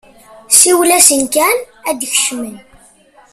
Siwel-asen kan ad d-kecmen!